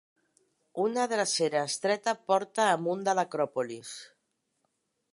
Una drecera estreta porta amunt de l'acròpolis.